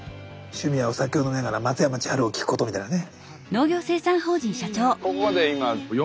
趣味はお酒を飲みながら松山千春を聞くことみたいなね。